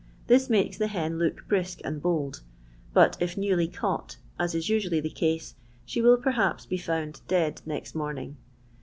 This makes the hen look brisk and bold, but if newly caught, as is usually the case, she will perhaps be found dead next morning.